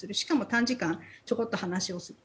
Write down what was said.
短時間ちょこっと話をする。